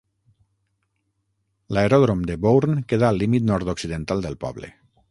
L'aeròdrom de Bourn queda al límit nord-occidental del poble.